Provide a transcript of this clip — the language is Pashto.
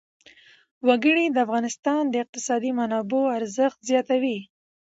وګړي د افغانستان د اقتصادي منابعو ارزښت زیاتوي.